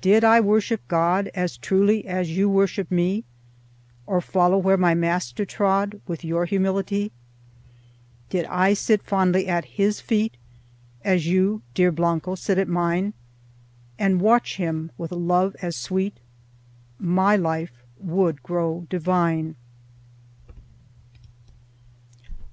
did I worship God As truly as you worship me, Or follow where my Master trod With your humility: Did I sit fondly at His feet As you, dear Blanco, sit at mine, And watch Him with a love as sweet, My life would grow divine!